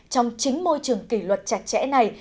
trong chính môi trường kỷ luật chặt chẽ này